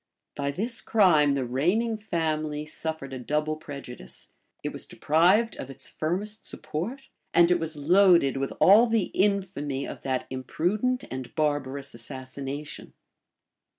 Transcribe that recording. By this crime the reigning family suffered a double prejudice it was deprived of its firmest support; and it was loaded with all the infamy of that imprudent and barbarous assassination.